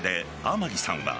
天城さんは